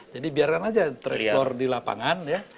jadi biarkan aja tereksplor di lapangan ya